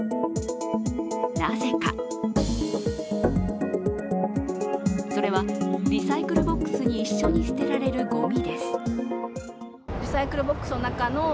なぜか、それは、リサイクルボックスに一緒にすられるごみ。